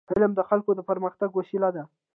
علم د خلکو د پرمختګ وسیله ده.